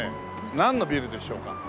なんのビルでしょうか。